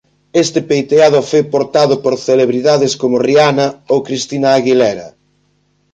Este peiteado foi portado por celebridades como Rihanna ou Christina Aguilera.